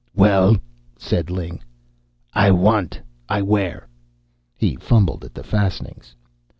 "Well," said Ling, "I want. I wear." He fumbled at the fastenings.